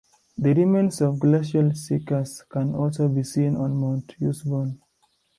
The remains of glacial cirques can also be seen on Mount Usborne.